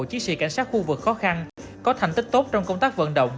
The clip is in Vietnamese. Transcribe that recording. chiến sĩ cảnh sát khu vực khó khăn có thành tích tốt trong công tác vận động